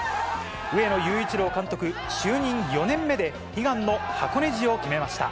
上野裕一郎監督就任４年目で、悲願の箱根路を決めました。